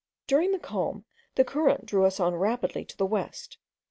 During the calm the current drew us on rapidly to the west.